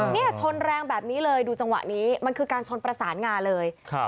เนี่ยชนแรงแบบนี้เลยดูจังหวะนี้มันคือการชนประสานงาเลยครับ